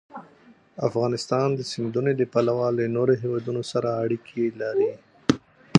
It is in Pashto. افغانستان د سیندونه له پلوه له نورو هېوادونو سره اړیکې لري.